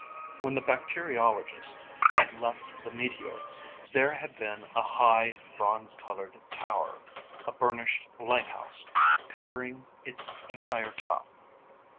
When the bacteriologist had left the meteor, there had been a high, bronze colored tower, a burnished lighthouse, covering its entire top.